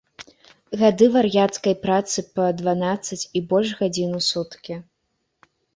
Гады вар'яцкай працы па дванаццаць і больш гадзін у суткі.